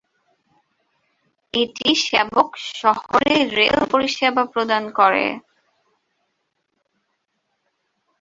এটি সেবক শহরে রেল পরিষেবা প্রদান করে।